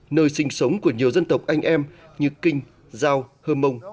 nơi sinh sống của nhiều dân tộc anh em như kinh giao hơ mông